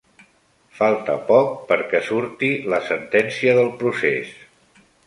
Falta poc perquè surti la sentència del procés